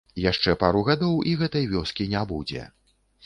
Яшчэ пару гадоў, і гэтай вёскі не будзе.